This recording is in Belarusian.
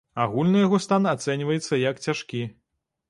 Агульны яго стан ацэньваецца, як цяжкі.